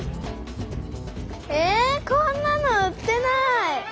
えこんなの売ってない！